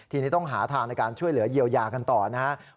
ทีนี้ต้องหาทางในการช่วยเหลือเยียวยากันต่อนะครับ